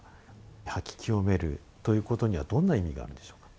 掃き清めるということにはどんな意味があるんでしょうか？